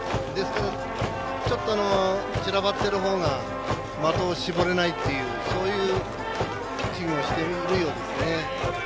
ちょっと散らばっているほうが的を絞れないっていうそういうピッチングをしているようですね。